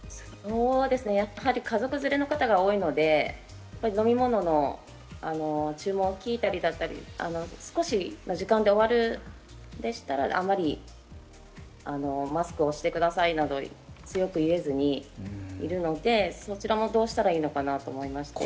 家族連れの方が多いので、飲み物の注文を聞いたり、少しの時間で終わるんでしたら、あまりマスクをしてくださいなどは強く言えずにいるので、そちらもどうしたらいいのかなと思いまして。